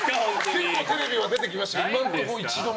結構テレビは出てきましたけど今のところは。